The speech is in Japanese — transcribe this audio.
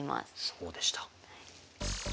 そうでした。